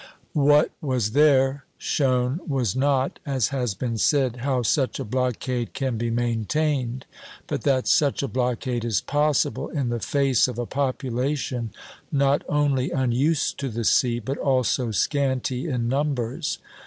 What was there shown was not, as has been said, how such a blockade can be maintained, but that such a blockade is possible in the face of a population not only unused to the sea, but also scanty in numbers.